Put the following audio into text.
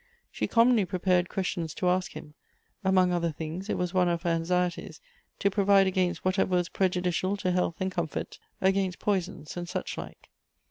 She commonly prepared questions to ask him ; .among other things, it was one of her anxieties to provide against whatever was prejudicial to health and comfort, against poisons and such like.